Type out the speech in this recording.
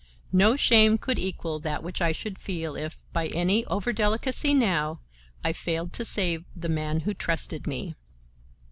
No shame could equal that which I should feel if, by any over delicacy now, I failed to save the man who trusted me.